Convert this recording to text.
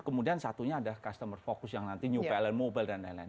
kemudian satunya ada customer fokus yang nanti new pilent mobile dan lain lain